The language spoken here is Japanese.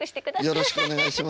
よろしくお願いします。